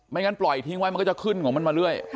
งั้นปล่อยทิ้งไว้มันก็จะขึ้นของมันมาเรื่อย